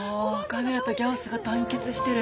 ガメラとギャオスが団結してる！